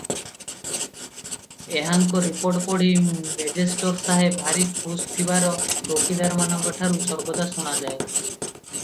ଏହାଙ୍କ ରିପୋର୍ଟ ପଢ଼ି ମେଜେଷ୍ଟର ସାହେବ ଭାରି ଖୁସ୍ ଥିବାର ଚୌକିଦାରମାନଙ୍କଠାରୁ ସର୍ବଦା ଶୁଣାଯାଏ ।